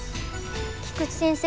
菊地先生